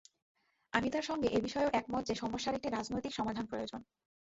আমি তাঁর সঙ্গে এ বিষয়েও একমত যে সমস্যার একটি রাজনৈতিক সমাধান প্রয়োজন।